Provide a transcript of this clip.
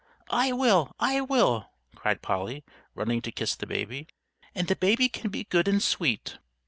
"I will, I will!" cried Polly, running to kiss the baby. "And the baby can be good and sweet!"